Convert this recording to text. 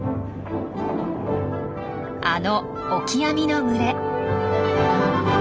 あのオキアミの群れ。